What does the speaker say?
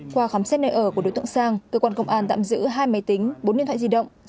qua khám xét nơi ở của đối tượng sang cơ quan công an tạm giữ hai máy tính bốn điện thoại di động